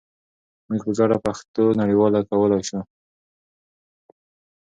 موږ په ګډه پښتو نړیواله کولای شو.